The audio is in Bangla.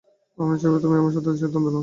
আমি চাই, তুমি আমার সাথে থাকার সিদ্ধান্ত নাও।